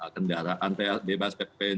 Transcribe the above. kendaraan bebas ppnbn